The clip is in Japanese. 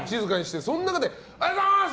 その中でおはようございます！